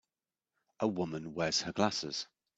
a woman wears her glasses.